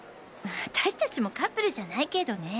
私たちもカップルじゃないけどね。